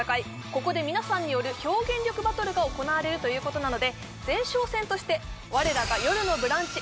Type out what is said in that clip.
ここで皆さんによる表現力バトルが行われるということなので前哨戦として我らが「よるのブランチ」